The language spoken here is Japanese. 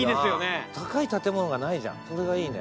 高い建物がないじゃんそれがいいね。